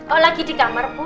oh lagi di kamar bu